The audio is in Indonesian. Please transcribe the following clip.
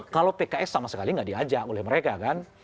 kalau pks sama sekali nggak diajak oleh mereka kan